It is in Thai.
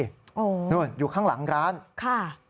โอ้โหนู่นอยู่ข้างหลังร้านค่ะ